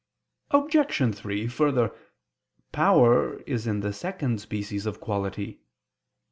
Obj. 3: Further, power is in the second species of quality.